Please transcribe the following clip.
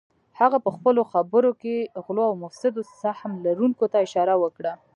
هغه پهخپلو خبرو کې غلو او مفسدو سهم لرونکو ته اشاره وکړه